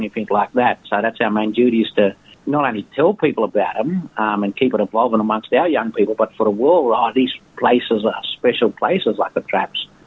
kita harus mengembalikan dan berbagi hal hal kita